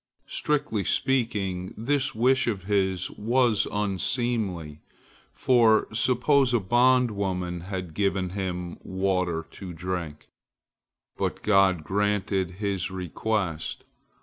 Strictly speaking, this wish of his was unseemly, for suppose a bondwoman had given him water to drink! But God granted his request.